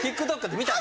ＴｉｋＴｏｋで見た。